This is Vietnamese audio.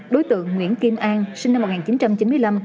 đối tượng nguyễn kim an sinh năm một nghìn chín trăm chín mươi năm